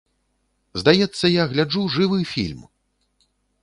Здаецца, я гляджу жывы фільм!